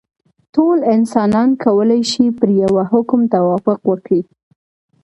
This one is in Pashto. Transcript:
ټول انسانان کولای شي پر یوه حکم توافق وکړي.